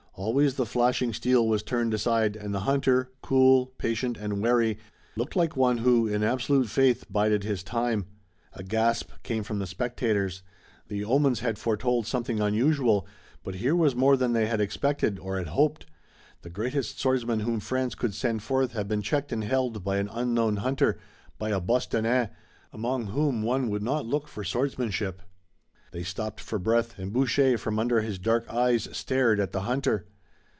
Always the flashing steel was turned aside, and the hunter, cool, patient and wary, looked like one who, in absolute faith, bided his time. A gasp came from the spectators. The omens had foretold something unusual, but here was more than they had expected or had hoped. The greatest swordsman whom France could send forth had been checked and held by an unknown hunter, by a Bostonnais, among whom one would not look for swordsmanship. They stopped for breath and Boucher from under his dark brows stared at the hunter.